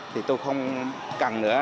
thì tôi không cần nữa